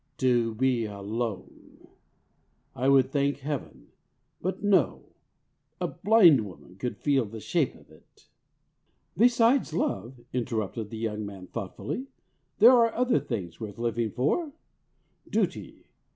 To be alone! I would thank heaven.... But no! a blind woman could feel the shape of it." "Besides love," interrupted the young man thoughtfully, "there are other things worth living for duty.